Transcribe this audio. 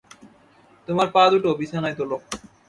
তোমার পাদুটো বিছানায় তোলো।